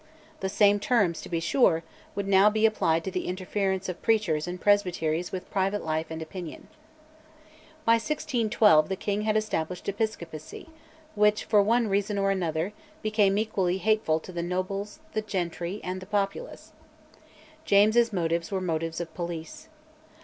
The same terms, to be sure, would now be applied to the interference of preachers and presbyteries with private life and opinion. By 1612 the king had established Episcopacy, which, for one reason or another, became equally hateful to the nobles, the gentry, and the populace. James's motives were motives of police.